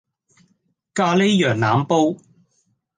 咖喱羊腩煲